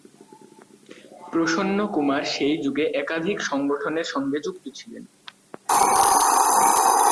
প্রসন্নকুমার সেই যুগে একাধিক সংগঠনের সঙ্গে যুক্ত ছিলেন।